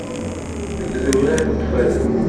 Deg udrar ukffadu.